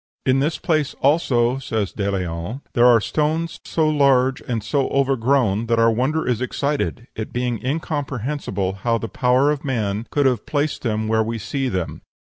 "In this place, also," says De Leon, "there are stones so large and so overgrown that our wonder is excited, it being incomprehensible how the power of man could have placed them where we see them.